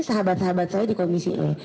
sahabat sahabat saya di komisi ini